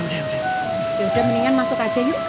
udah mendingan masuk aja yuk